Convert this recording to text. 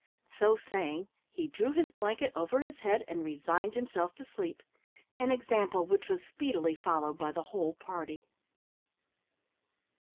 So saying, he drew his blanket over his head and resigned himself to sleep, an example which was speedily followed by the whole party.